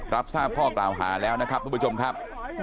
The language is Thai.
รับทราบข้อเกลาหาระครับคุณผู้ชมครับ